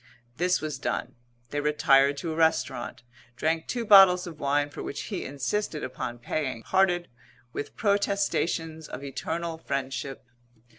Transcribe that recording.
This was done; they retired to a restaurant; drank two bottles of wine for which he insisted upon paying; and parted with protestations of eternal friendship.